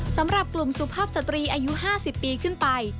สำหรับกลุ่มสุภาพสตรีอายุ๕๐ปีขึ้นไป